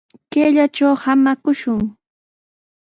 Kayllatraw samakushun.